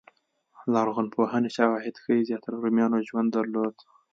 لرغونپوهنې شواهد ښيي زیاتره رومیانو ژوند درلود